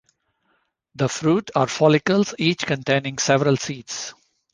The fruit are follicles each containing several seeds.